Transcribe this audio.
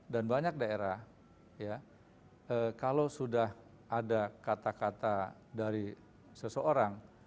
dan banyak daerah kalau sudah ada kata kata dari seseorang